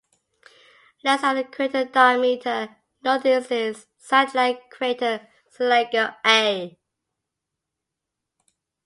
Less than a crater diameter north is its satellite crater Seeliger A.